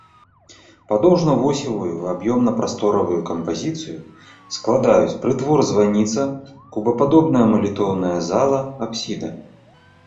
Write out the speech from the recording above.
Падоўжна-восевую аб'ёмна-прасторавую кампазіцыю складаюць прытвор-званіца, кубападобная малітоўная зала, апсіда.